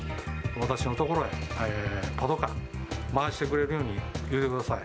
私の所へパトカーを回してくれるように言ってください。